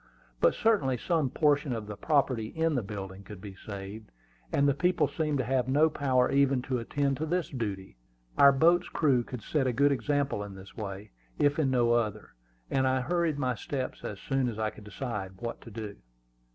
But certainly some portion of the property in the building could be saved, and the people seemed to have no power even to attend to this duty. Our boat's crew could set a good example in this way, if in no other; and I hurried my steps as soon as I could decide what to do.